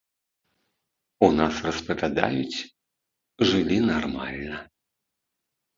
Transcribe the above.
У нас распавядаюць, жылі нармальна.